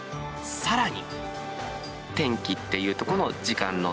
さらに。